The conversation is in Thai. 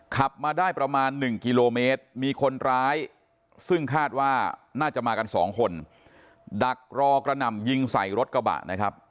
ขับมาได้ประมาณ๑กิโลเมตรมีคนร้ายซึ่งคาดว่าน่าจะมากันสองคนดักรอกระหน่ำยิงใส่รถกระบะนะครับ